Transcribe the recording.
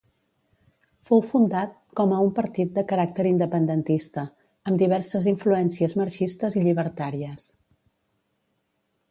Fou fundat com a un partit de caràcter independentista, amb diverses influències marxistes i llibertàries.